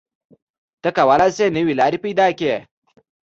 ته کولی شې نوې لارې پیدا کړې.